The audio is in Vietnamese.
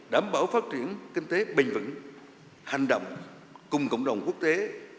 đảm bảo phát triển kinh tế bình vững hành động cùng cộng đồng quốc tế